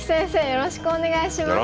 よろしくお願いします。